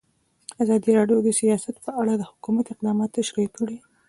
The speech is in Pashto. ازادي راډیو د سیاست په اړه د حکومت اقدامات تشریح کړي.